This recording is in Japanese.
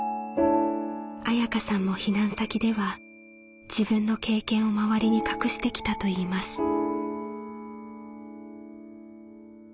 恵佳さんも避難先では自分の経験を周りに隠してきたといいます。